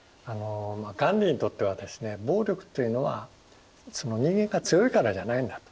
ガンディーにとってはですね暴力というのは人間が強いからじゃないんだと。